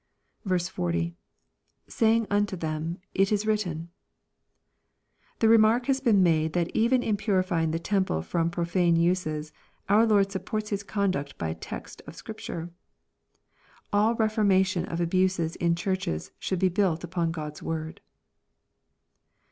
40. — [Saying unto them, It is written^ The remark has been made that even in purifying the temple from profane uses, our Lord supports His conduct by a text of Scripture. All reformation of abuses in Churches should be built upon God's Word.